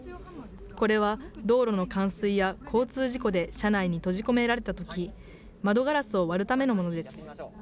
これは道路の冠水や交通事故で車内に閉じ込められたとき、窓ガラスを割るためのものです。